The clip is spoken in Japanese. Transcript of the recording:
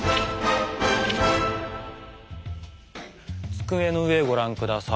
机の上ご覧下さい。